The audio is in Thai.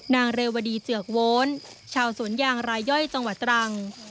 นางเรวดีเจือกโว้นชาวสวนยางรายย่อยจังหวัดตรัง